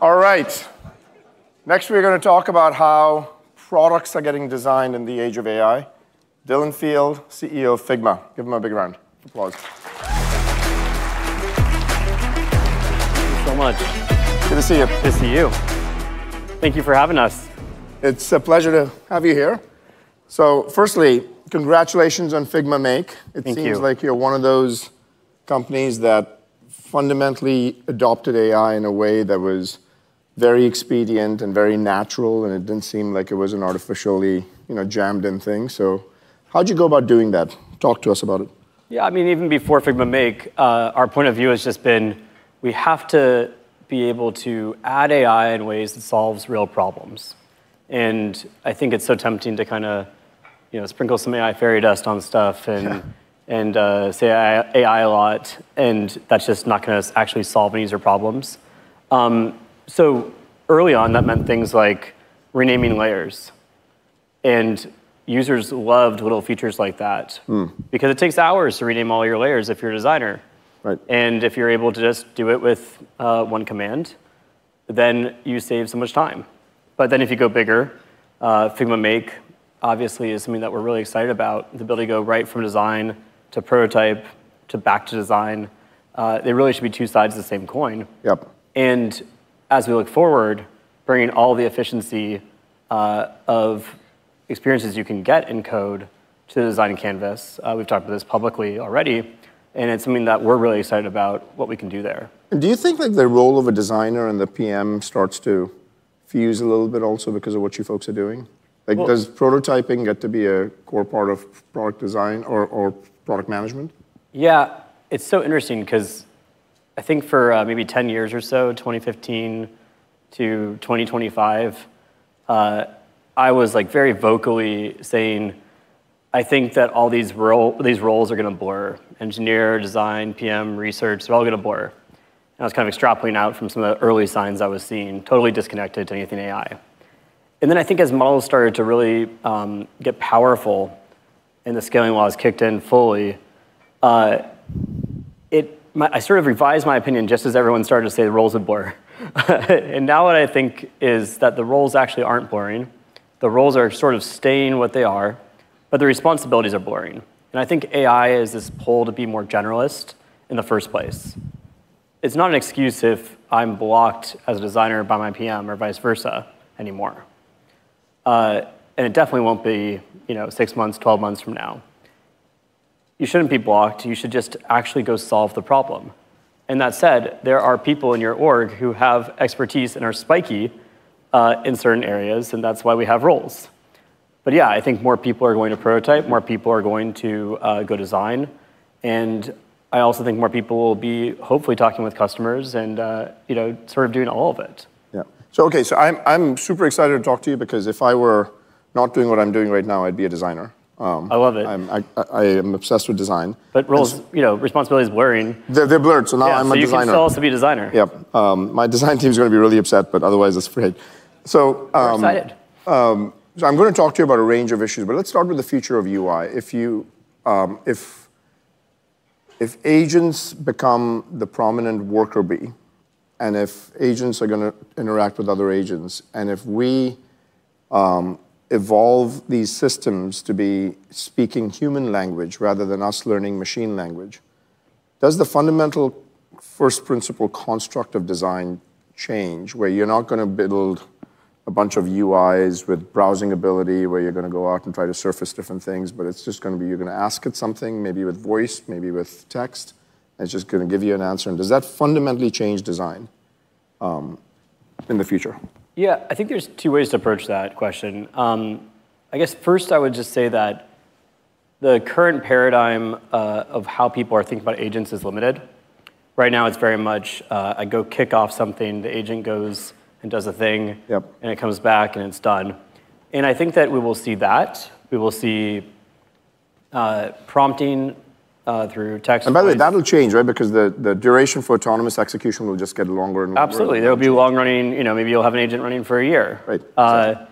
All right. Next, we're gonna talk about how products are getting designed in the age of AI. Dylan Field, CEO of Figma. Give him a big round of applause. Thank you so much. Good to see you. Good to see you. Thank you for having us. It's a pleasure to have you here. Firstly, congratulations on Figma Make. Thank you. It seems like you're one of those companies that fundamentally adopted AI in a way that was very expedient and very natural, and it didn't seem like it was an artificially, you know, jammed-in thing. So how'd you go about doing that? Talk to us about it. Yeah, I mean, even before Figma Make, our point of view has just been we have to be able to add AI in ways that solves real problems. And I think it's so tempting to kinda, you know, sprinkle some AI fairy dust on stuff- Yeah say AI a lot, and that's just not gonna actually solve any user problems. So early on, that meant things like renaming layers, and users loved little features like that- Mm. Because it takes hours to rename all your layers if you're a designer. Right. If you're able to just do it with one command, then you save so much time. But then if you go bigger, Figma Make obviously is something that we're really excited about, the ability to go right from design to prototype to back to design. They really should be two sides of the same coin. Yep. As we look forward, bringing all the efficiency of experiences you can get in code to the designing canvas, we've talked about this publicly already, and it's something that we're really excited about what we can do there. Do you think, like, the role of a designer and the PM starts to fuse a little bit also because of what you folks are doing? Well- Like, does prototyping get to be a core part of product design or, or product management? Yeah, it's so interesting 'cause I think for, maybe 10 years or so, 2015 to 2025, I was, like, very vocally saying, "I think that all these role- these roles are gonna blur: engineer, design, PM, research, they're all gonna blur." And I was kind of extrapolating out from some of the early signs I was seeing, totally disconnected to anything AI. And then I think as models started to really get powerful and the scaling laws kicked in fully, I sort of revised my opinion just as everyone started to say the roles would blur. And now what I think is that the roles actually aren't blurring. The roles are sort of staying what they are, but the responsibilities are blurring, and I think AI is this pull to be more generalist in the first place. It's not an excuse if I'm blocked as a designer by my PM or vice versa anymore, and it definitely won't be, you know, 6 months, 12 months from now. You shouldn't be blocked. You should just actually go solve the problem. That said, there are people in your org who have expertise and are spiky in certain areas, and that's why we have roles. But yeah, I think more people are going to prototype- Mm. More people are going to go design, and I also think more people will be hopefully talking with customers and, you know, sort of doing all of it. Yeah. So okay, so I'm super excited to talk to you because if I were not doing what I'm doing right now, I'd be a designer. I love it. I am obsessed with design. But- But roles, you know, responsibilities blurring. They're blurred, so now I'm a designer. Yeah, so you can still also be a designer. Yep, my design team is gonna be really upset, but otherwise, it's great. So- We're excited... so I'm gonna talk to you about a range of issues, but let's start with the future of UI. If agents become the prominent worker bee, and if agents are gonna interact with other agents, and if we evolve these systems to be speaking human language rather than us learning machine language, does the fundamental first principle construct of design change, where you're not gonna build a bunch of UIs with browsing ability, where you're gonna go out and try to surface different things, but it's just gonna be you're gonna ask it something, maybe with voice, maybe with text, and it's just gonna give you an answer? And does that fundamentally change design in the future? Yeah, I think there's two ways to approach that question. I guess first, I would just say that the current paradigm of how people are thinking about agents is limited. Right now, it's very much, I go kick off something, the agent goes and does a thing- Yep... and it comes back, and it's done. And I think that we will see that. We will see prompting through text- And by the way, that will change, right? Because the duration for autonomous execution will just get longer and longer. Absolutely. It'll be- There'll be long-running... You know, maybe you'll have an agent running for a year. Right.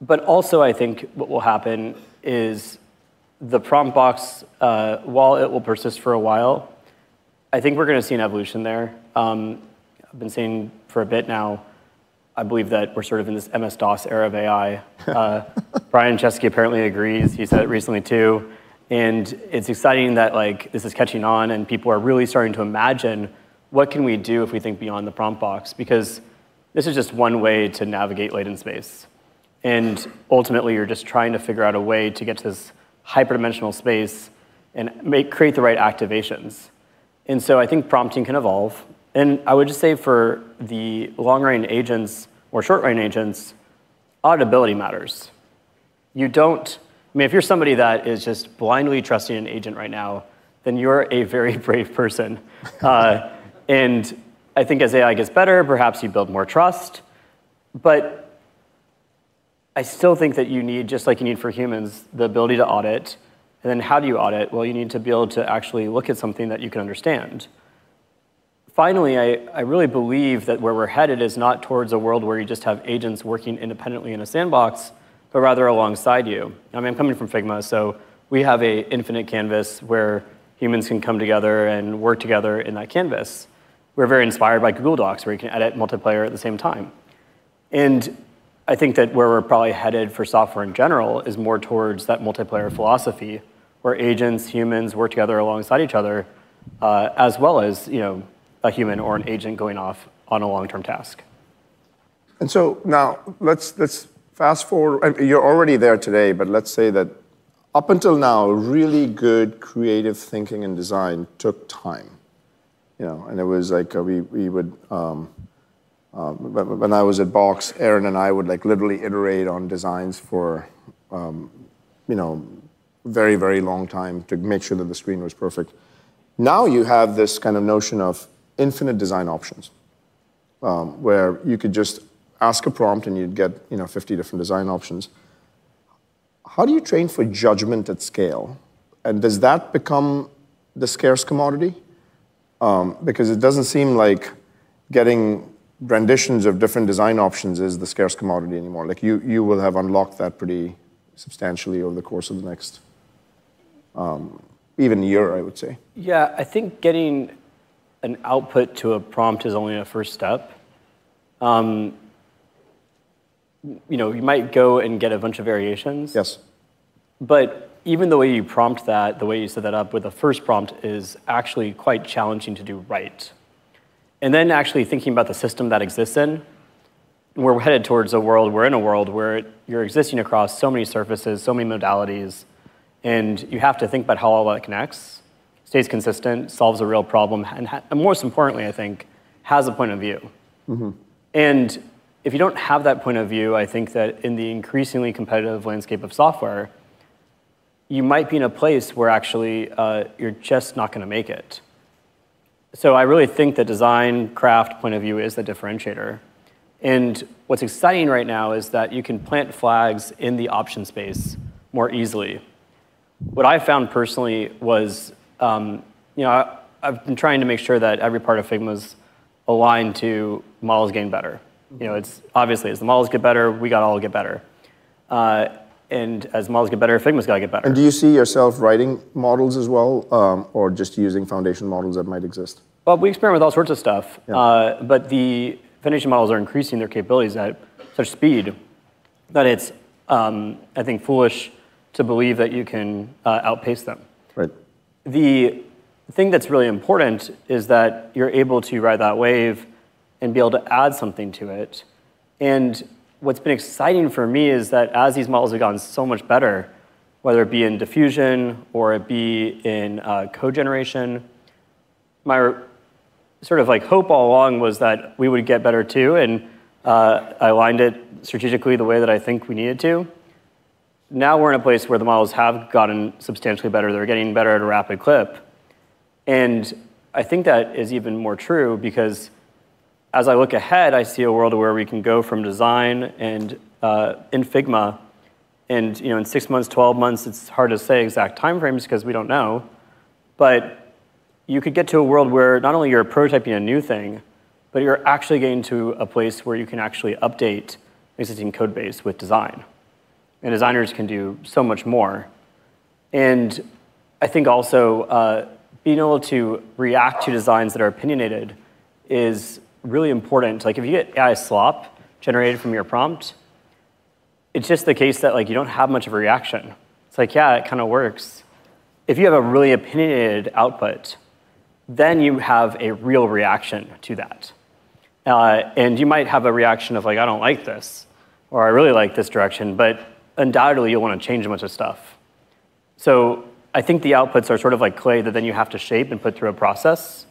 But also, I think what will happen is the prompt box, while it will persist for a while, I think we're gonna see an evolution there. I've been saying for a bit now, I believe that we're sort of in this MS-DOS era of AI. Brian Chesky apparently agrees. He said it recently too, and it's exciting that, like, this is catching on, and people are really starting to imagine what can we do if we think beyond the prompt box? Because this is just one way to navigate latent space, and ultimately, you're just trying to figure out a way to get to this hyperdimensional space and create the right activations. And so I think prompting can evolve. And I would just say for the long-running agents or short-running agents, auditability matters. I mean, if you're somebody that is just blindly trusting an agent right now, then you're a very brave person. And I think as AI gets better, perhaps you build more trust. But I still think that you need, just like you need for humans, the ability to audit. And then how do you audit? Well, you need to be able to actually look at something that you can understand. Finally, I really believe that where we're headed is not towards a world where you just have agents working independently in a sandbox but rather alongside you. I mean, I'm coming from Figma, so we have an infinite canvas where humans can come together and work together in that canvas. We're very inspired by Google Docs, where you can edit multiplayer at the same time. I think that where we're probably headed for software in general is more towards that multiplayer philosophy, where agents, humans work together alongside each other, as well as, you know, a human or an agent going off on a long-term task. And so now, let's fast-forward—I mean, you're already there today, but let's say that up until now, really good creative thinking and design took time. You know, and it was like, we would... When I was at Box, Aaron and I would, like, literally iterate on designs for, you know, very, very long time to make sure that the screen was perfect. Now, you have this kind of notion of infinite design options, where you could just ask a prompt, and you'd get, you know, 50 different design options. How do you train for judgment at scale? And does that become the scarce commodity? Because it doesn't seem like getting renditions of different design options is the scarce commodity anymore. Like, you will have unlocked that pretty substantially over the course of the next, even year, I would say. Yeah, I think getting an output to a prompt is only a first step. You know, you might go and get a bunch of variations- Yes... but even the way you prompt that, the way you set that up with the first prompt, is actually quite challenging to do right. And then, actually thinking about the system that exists in, we're headed towards a world, we're in a world where you're existing across so many surfaces, so many modalities, and you have to think about how all that connects, stays consistent, solves a real problem, and most importantly, I think, has a point of view. Mm-hmm. And if you don't have that point of view, I think that in the increasingly competitive landscape of software, you might be in a place where actually, you're just not gonna make it. So I really think the design craft point of view is the differentiator. And what's exciting right now is that you can plant flags in the option space more easily. What I found personally was, you know, I've been trying to make sure that every part of Figma's aligned to models getting better. Mm. You know, it's obviously, as the models get better, we gotta all get better. And as models get better, Figma's gotta get better. Do you see yourself writing models as well, or just using foundation models that might exist? Well, we experiment with all sorts of stuff- Yeah... but the foundation models are increasing their capabilities at such speed that it's, I think, foolish to believe that you can outpace them. Right. The thing that's really important is that you're able to ride that wave and be able to add something to it. And what's been exciting for me is that, as these models have gotten so much better, whether it be in diffusion or it be in code generation, my sort of, like, hope all along was that we would get better, too, and I aligned it strategically the way that I think we needed to. Now, we're in a place where the models have gotten substantially better. They're getting better at a rapid clip, and I think that is even more true because as I look ahead, I see a world where we can go from design and in Figma, and, you know, in 6 months, 12 months, it's hard to say exact time frames because we don't know. But you could get to a world where not only you're prototyping a new thing, but you're actually getting to a place where you can actually update existing code base with design, and designers can do so much more. And I think also, being able to react to designs that are opinionated is really important. Like, if you get AI slop generated from your prompt, it's just the case that, like, you don't have much of a reaction. It's like, yeah, it kinda works. If you have a really opinionated output, then you have a real reaction to that. And you might have a reaction of like, "I don't like this," or, "I really like this direction," but undoubtedly, you'll wanna change a bunch of stuff. So I think the outputs are sort of like clay, that then you have to shape and put through a process.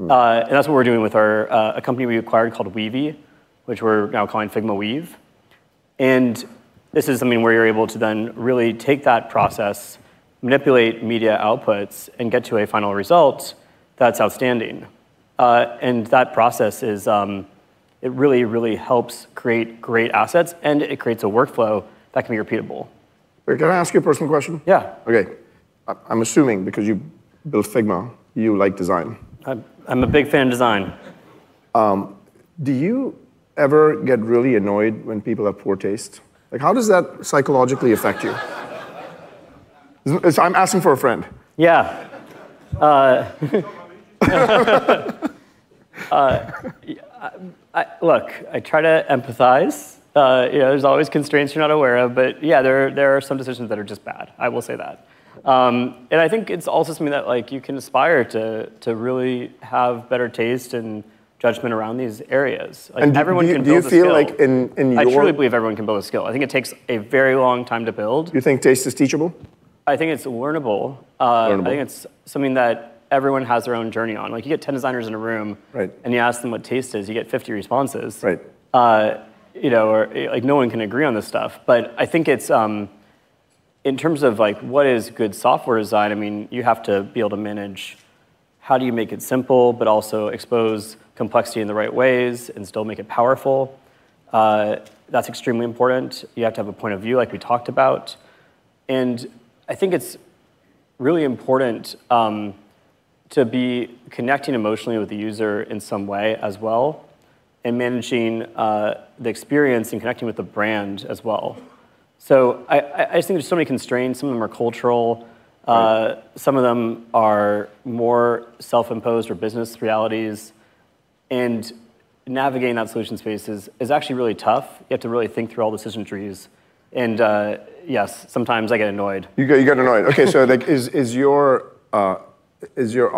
Mm. And that's what we're doing with our a company we acquired called Weavy, which we're now calling Figma Weave. And this is something where you're able to then really take that process, manipulate media outputs and get to a final result that's outstanding. And that process is, it really, really helps create great assets, and it creates a workflow that can be repeatable. Can I ask you a personal question? Yeah. Okay. I'm assuming, because you built Figma, you like design. I'm a big fan of design. Do you ever get really annoyed when people have poor taste? Like, how does that psychologically affect you? I'm asking for a friend. Yeah. Look, I try to empathize. You know, there's always constraints you're not aware of, but yeah, there are, there are some decisions that are just bad. I will say that. And I think it's also something that, like, you can aspire to, to really have better taste and judgment around these areas. Like, everyone can build a skill. Do you feel like in your- I truly believe everyone can build a skill. I think it takes a very long time to build. Do you think taste is teachable? I think it's learnable. Learnable. I think it's something that everyone has their own journey on. Like, you get 10 designers in a room- Right... and you ask them what taste is, you get 50 responses. Right. You know, like, no one can agree on this stuff. But I think it's... In terms of, like, what is good software design, I mean, you have to be able to manage how do you make it simple, but also expose complexity in the right ways and still make it powerful? That's extremely important. You have to have a point of view, like we talked about, and I think it's really important to be connecting emotionally with the user in some way as well, and managing the experience and connecting with the brand as well. So I just think there's so many constraints. Some of them are cultural. Right. -some of them are more self-imposed or business realities, and navigating that solution space is actually really tough. You have to really think through all the system trees and, yes, sometimes I get annoyed. You get annoyed. Okay, so like, is your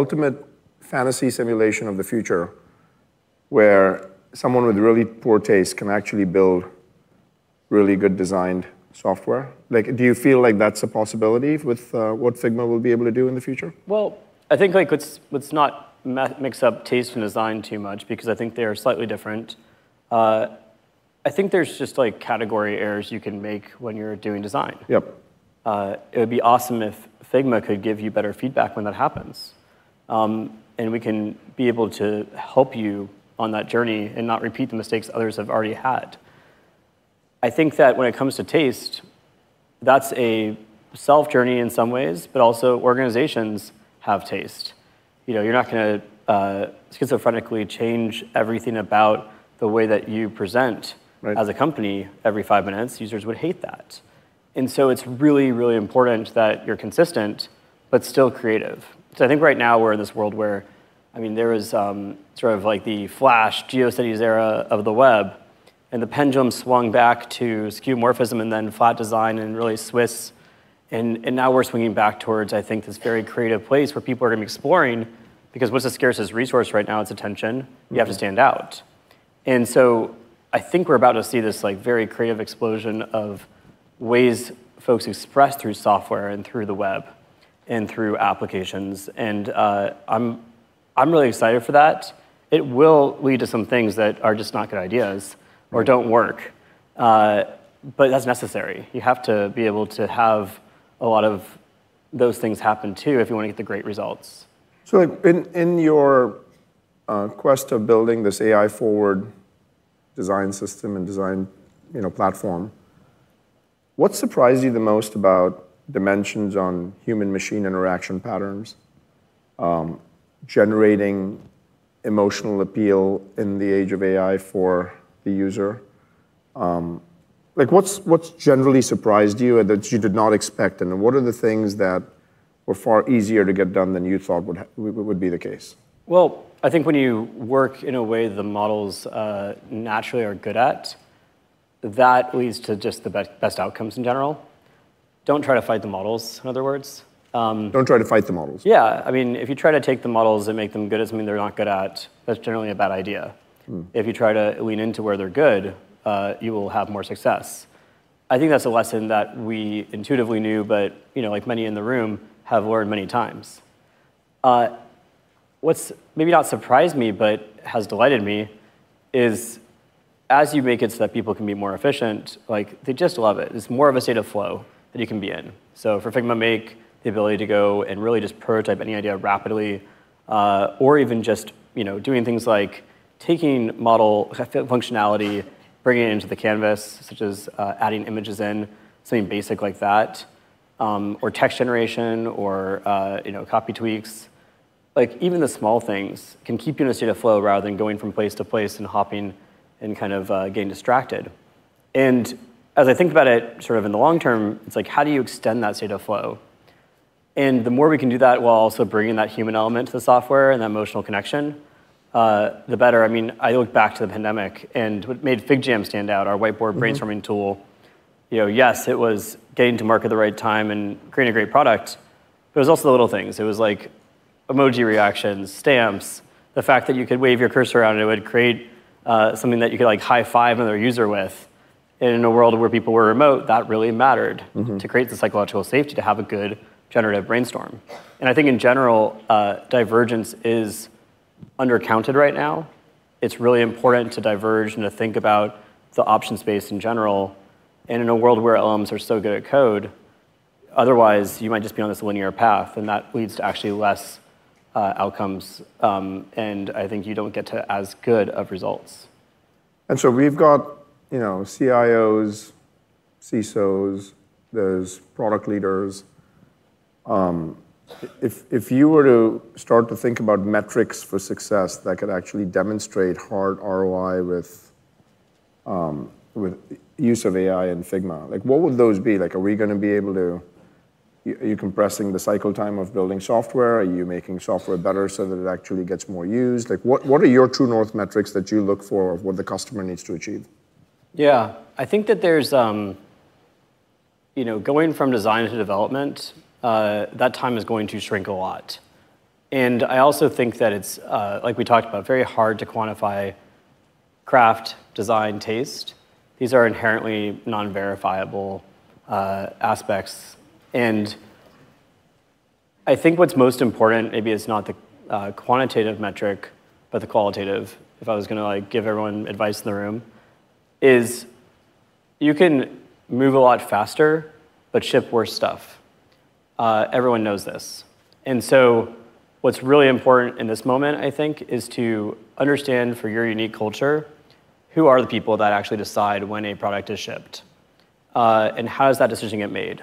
ultimate fantasy simulation of the future where someone with really poor taste can actually build really good designed software? Like, do you feel like that's a possibility with what Figma will be able to do in the future? Well, I think like let's, let's not mix up taste and design too much because I think they are slightly different. I think there's just like category errors you can make when you're doing design. Yep. It would be awesome if Figma could give you better feedback when that happens. And we can be able to help you on that journey and not repeat the mistakes others have already had. I think that when it comes to taste, that's a self journey in some ways, but also organizations have taste. You know, you're not gonna, schizophrenically change everything about the way that you present- Right... as a company every five minutes. Users would hate that. And so it's really, really important that you're consistent, but still creative. So I think right now we're in this world where, I mean, there is, sort of like the Flash GeoCities era of the web, and the pendulum swung back to skeuomorphism and then flat design and really Swiss. And, and now we're swinging back towards, I think, this very creative place where people are gonna be exploring, because what's the scarcest resource right now? It's attention. Mm. You have to stand out. And so I think we're about to see this like very creative explosion of ways folks express through software and through the web and through applications, and I'm really excited for that. It will lead to some things that are just not good ideas. Right ... or don't work, but that's necessary. You have to be able to have a lot of those things happen too if you want to get the great results. So like, in your quest of building this AI forward design system and design, you know, platform, what surprised you the most about dimensions on human-machine interaction patterns, generating emotional appeal in the age of AI for the user? Like, what's generally surprised you and that you did not expect, and what are the things that were far easier to get done than you thought would be the case? Well, I think when you work in a way the models naturally are good at, that leads to just the best outcomes in general. Don't try to fight the models, in other words, Don't try to fight the models? Yeah. I mean, if you try to take the models and make them good at something they're not good at, that's generally a bad idea. Mm. If you try to lean into where they're good, you will have more success. I think that's a lesson that we intuitively knew, but, you know, like many in the room, have learned many times. What's maybe not surprised me, but has delighted me, is as you make it so that people can be more efficient, like they just love it. It's more of a state of flow that you can be in. So for Figma Make, the ability to go and really just prototype any idea rapidly, or even just, you know, doing things like taking model functionality, bringing it into the canvas, such as, adding images in, something basic like that, or text generation or, you know, copy tweaks. Like even the small things can keep you in a state of flow rather than going from place to place and hopping and kind of getting distracted. And as I think about it, sort of in the long term, it's like: how do you extend that state of flow? And the more we can do that while also bringing that human element to the software and that emotional connection, the better. I mean, I look back to the pandemic and what made FigJam stand out, our whiteboard brainstorming tool. Mm. You know, yes, it was getting to market at the right time and creating a great product, but it was also the little things. It was like emoji reactions, stamps, the fact that you could wave your cursor around and it would create something that you could like high five another user with. And in a world where people were remote, that really mattered- Mm-hmm... to create the psychological safety to have a good generative brainstorm. And I think in general, divergence is undercounted right now. It's really important to diverge and to think about the option space in general, and in a world where LLMs are so good at code, otherwise, you might just be on this linear path, and that leads to actually less outcomes. And I think you don't get to as good of results. And so we've got, you know, CIOs, CSOs, there's product leaders. If, if you were to start to think about metrics for success that could actually demonstrate hard ROI with, with use of AI and Figma, like, what would those be? Like, are we gonna be able to... Are you compressing the cycle time of building software? Are you making software better so that it actually gets more used? Like, what, what are your true north metrics that you look for of what the customer needs to achieve? Yeah, I think that there's, you know, going from design to development, that time is going to shrink a lot. And I also think that it's, like we talked about, very hard to quantify craft, design, taste. These are inherently non-verifiable aspects. And I think what's most important maybe is not the quantitative metric, but the qualitative. If I was gonna like, give everyone advice in the room, is you can move a lot faster but ship worse stuff. Everyone knows this. And so what's really important in this moment, I think, is to understand for your unique culture, who are the people that actually decide when a product is shipped? And how does that decision get made?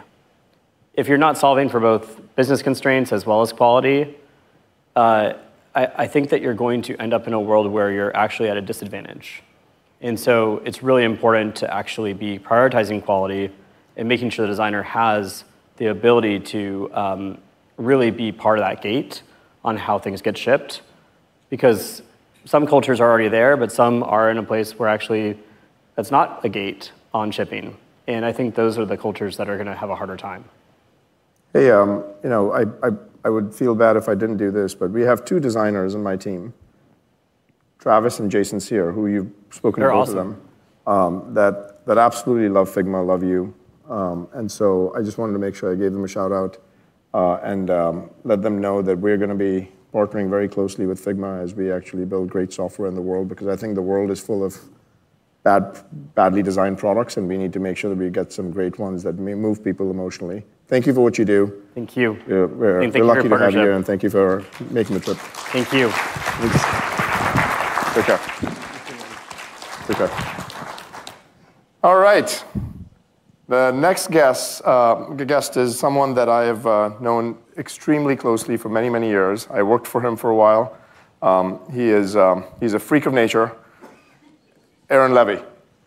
If you're not solving for both business constraints as well as quality, I think that you're going to end up in a world where you're actually at a disadvantage. And so it's really important to actually be prioritizing quality and making sure the designer has the ability to really be part of that gate on how things get shipped. Because some cultures are already there, but some are in a place where actually that's not a gate on shipping, and I think those are the cultures that are gonna have a harder time. Hey, you know, I would feel bad if I didn't do this, but we have two designers on my team, Travis and Jason Cyr, who you've spoken to, both of them- They're awesome... that absolutely love Figma, love you. And so I just wanted to make sure I gave them a shout-out, and let them know that we're gonna be partnering very closely with Figma as we actually build great software in the world, because I think the world is full of badly designed products, and we need to make sure that we get some great ones that move people emotionally. Thank you for what you do. Thank you. Yeah. We're- Thank you for your partnership.... we're lucky to have you, and thank you for making the trip. Thank you. Thanks. Take care. Thank you. Take care. All right. The next guest, the guest is someone that I have known extremely closely for many, many years. I worked for him for a while. He is, he's a freak of nature, Aaron Levie.